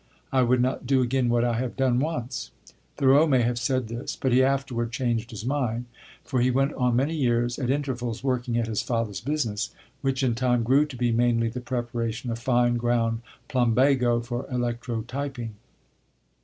I would not do again what I have done once.'" Thoreau may have said this, but he afterward changed his mind, for he went on many years, at intervals, working at his father's business, which in time grew to be mainly the preparation of fine ground plumbago for electrotyping.